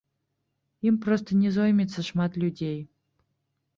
Ім проста не зоймецца шмат людзей.